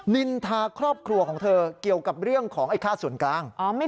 นินทาครอบครัวของเธอเกี่ยวกับเรื่องของไอ้ค่าส่วนกลาง